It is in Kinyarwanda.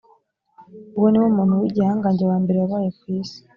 uwo ni we muntu w’igihangange wa mbere wabaye ku isi